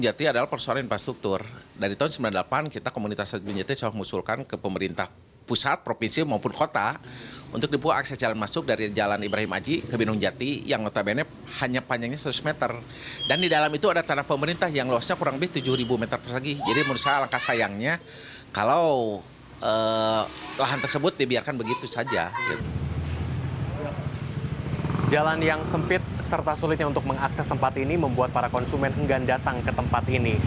jalan yang sempit serta sulitnya untuk mengakses tempat ini membuat para konsumen enggan datang ke tempat ini